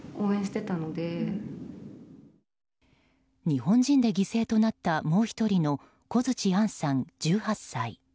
日本人で犠牲となったもう１人の小槌杏さん、１８歳。